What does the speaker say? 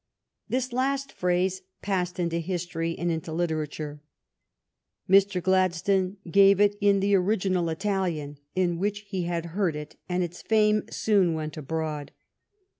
" This last phrase passed into history and into literature. Mr. Gladstone gave it in the original Italian in which he had heard it, and its fame soon went abroad.